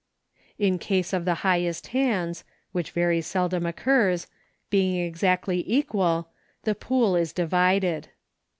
In case of the highest hands (which very seldom occurs) being exactly equal the pool is divided.